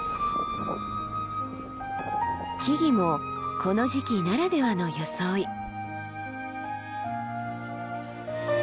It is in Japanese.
木々もこの時期ならではの装い。